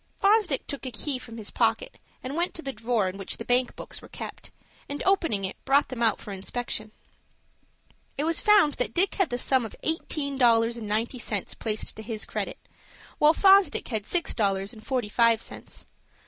Fosdick took a key from his pocket, and went to the drawer in which the bank books were kept, and, opening it, brought them out for inspection. It was found that Dick had the sum of eighteen dollars and ninety cents placed to his credit, while Fosdick had six dollars and forty five cents.